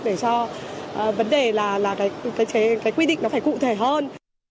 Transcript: để cho vấn đề là cái quy định nó phải cụ thể hơn